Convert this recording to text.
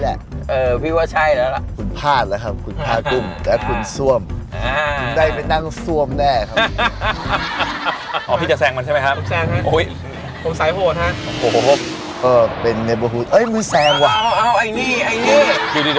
ดูดิเดี๋ยวเขาขับเร็วอย่างนี้ผมกลัวอุบัติเหตุนิดหนึ่งนะพี่